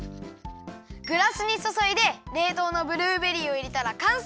グラスにそそいでれいとうのブルーベリーをいれたらかんせい！